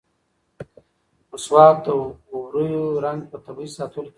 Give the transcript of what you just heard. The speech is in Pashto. مسواک د ووریو د رنګ په طبیعي ساتلو کې رول لري.